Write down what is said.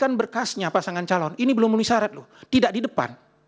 dan berkasnya pasangan calon ini belum menisarat loh tidak di depan